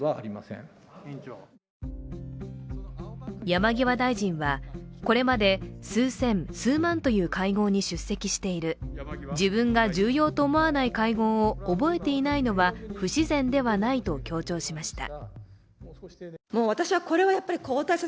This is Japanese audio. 山際大臣は、これまで数千、数万という会合に出席している自分が重要と思わない会合を覚えていないのは不自然ではないと強調しました。